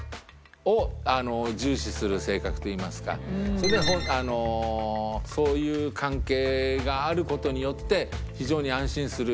それでそういう関係がある事によって非常に安心する。